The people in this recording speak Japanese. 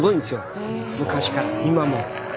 昔から今も。